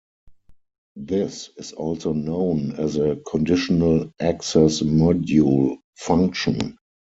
This is also known as a "conditional-access module" function.